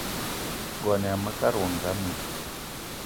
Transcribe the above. Ngo yama mekad wo ngam i?